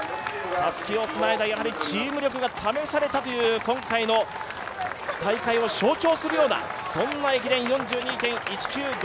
たすきをつないだ、やはりチーム力が試されたという今回の大会を象徴するような駅伝、４２．１９５